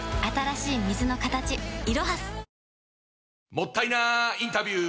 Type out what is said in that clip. もったいなインタビュー！